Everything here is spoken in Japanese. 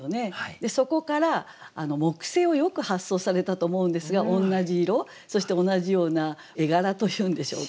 でそこから木星をよく発想されたと思うんですが同じ色そして同じような絵柄というんでしょうか。